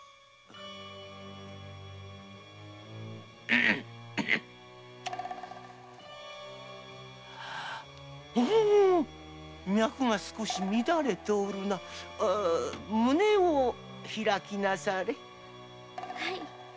うむ脈が少し乱れておるなそうだ胸を開きなされ。